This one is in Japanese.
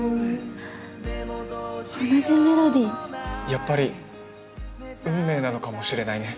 やっぱり運命なのかもしれないね。